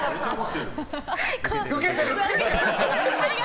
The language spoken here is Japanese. ウケてる？